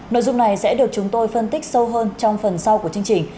nội dung này sẽ được chúng tôi phân tích sâu hơn trong phần sau của chương trình